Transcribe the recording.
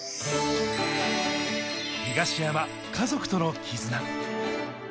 東山、家族との絆。